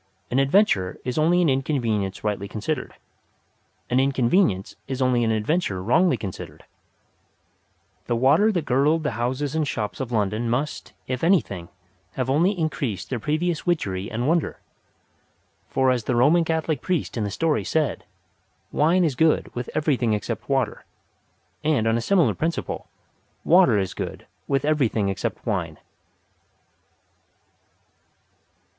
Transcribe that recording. An adventure is only an inconvenience rightly considered. An inconvenience is only an adventure wrongly considered. The water that girdled the houses and shops of London must, if anything, have only increased their previous witchery and wonder. For as the Roman Catholic priest in the story said: "Wine is good with everything except water," and on a similar principle, water is good with everything except wine.